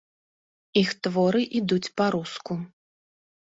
Іх творы ідуць па-руску.